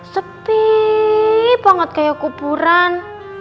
sepi banget kayak kuburan